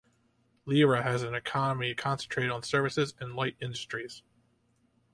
Leiria has an economy concentrated on services and light industries.